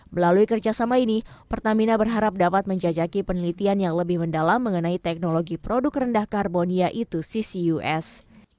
melalui kerjasama ini pertamina berharap dapat menjajaki penelitian yang lebih mendalam mengenai teknologi produk rendah karbon yaitu ccus